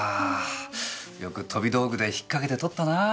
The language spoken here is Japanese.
よく飛び道具で引っかけて捕ったなぁ。